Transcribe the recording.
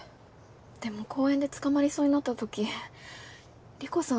でも公園で捕まりそうになった時理子さん